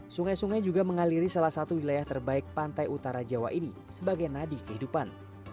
sungai sungai juga mengaliri salah satu wilayah terbaik pantai utara jawa ini sebagai nadi kehidupan